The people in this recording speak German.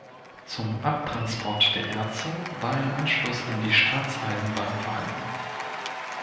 Zum Abtransport der Erze war ein Anschluss an die Staatseisenbahn vorhanden.